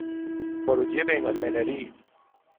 خروجی بین المللی